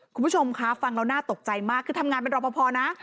คุณผู้ชมคะฟังแล้วน่าตกใจมากคือทำงานเป็นรอปภนะ